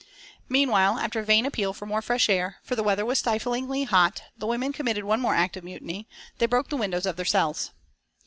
Meanwhile, after a vain appeal for more fresh air, for the weather was stiflingly hot, the women committed one more act of mutiny, they broke the windows of their cells.